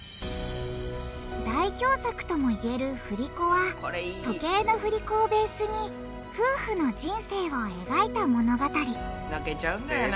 代表作ともいえる「振り子」は時計の振り子をベースに夫婦の人生を描いた物語泣けちゃうんだよね。